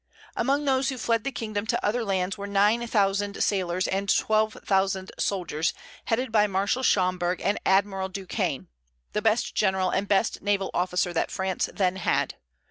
Among those who fled the kingdom to other lands were nine thousand sailors and twelve thousand soldiers, headed by Marshal Schomberg and Admiral Duquesne, the best general and the best naval officer that France then had.